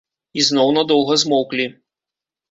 І зноў надоўга змоўклі.